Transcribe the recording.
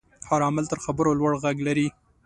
هر عمل تر خبرو لوړ غږ لري.